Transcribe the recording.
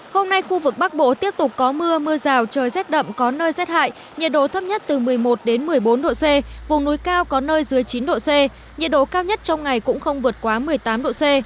hôm nay khu vực bắc bộ tiếp tục có mưa mưa rào trời rét đậm có nơi rét hại nhiệt độ thấp nhất từ một mươi một một mươi bốn độ c vùng núi cao có nơi dưới chín độ c nhiệt độ cao nhất trong ngày cũng không vượt quá một mươi tám độ c